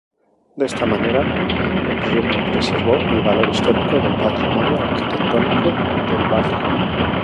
De esta manera, el proyecto preservó el valor histórico del patrimonio arquitectónico del barrio.